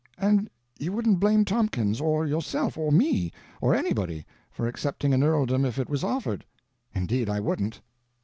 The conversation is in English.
"And you wouldn't blame Tompkins, or yourself, or me, or anybody, for accepting an earldom if it was offered?" "Indeed I wouldn't."